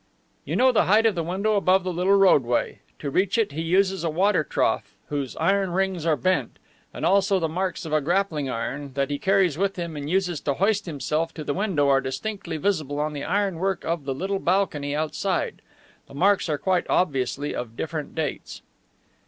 "You know the height of the window above the little roadway. To reach it he uses a water trough, whose iron rings are bent, and also the marks of a grappling iron that he carries with him and uses to hoist himself to the window are distinctly visible on the ironwork of the little balcony outside. The marks are quite obviously of different dates."